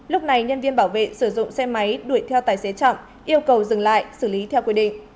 lúc này nhân viên bảo vệ sử dụng xe máy đuổi theo tài xế trọng yêu cầu dừng lại xử lý theo quy định